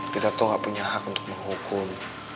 kita tuh gak punya hak untuk menghukum